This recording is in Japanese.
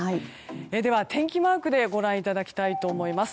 では、天気マークでご覧いただきたいと思います。